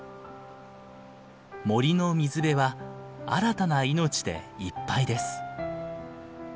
森の水辺は新たな命でいっぱいです。